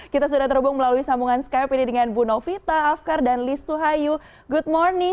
kita sudah terhubung melalui sambungan skype ini dengan bu novita afkar dan listuhan